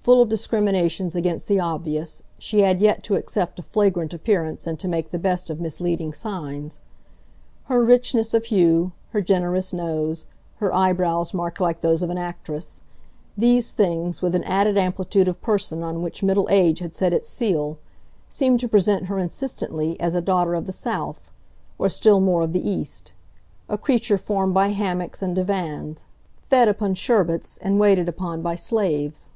Full of discriminations against the obvious, she had yet to accept a flagrant appearance and to make the best of misleading signs. Her richness of hue, her generous nose, her eyebrows marked like those of an actress these things, with an added amplitude of person on which middle age had set its seal, seemed to present her insistently as a daughter of the south, or still more of the east, a creature formed by hammocks and divans, fed upon sherbets and waited upon by slaves.